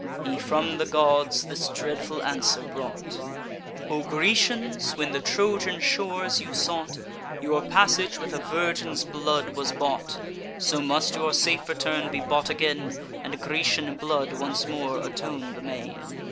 He from the gods this dreadful answer brought: "O Grecians, when the Trojan shores you sought, Your passage with a virgin's blood was bought: So must your safe return be bought again, And Grecian blood once more atone the main."